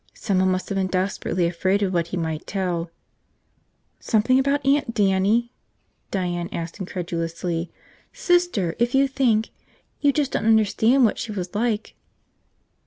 "Someone must have been desperately afraid of what he might tell." "Something about Aunt Dannie?" Diane asked incredulously. "Sister, if you think ... you just don't understand what she was like